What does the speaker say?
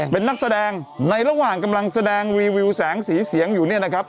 เป็นนักแสดงในระหว่างกำลังแสดงรีวิวแสงสีเสียงอยู่เนี่ยนะครับ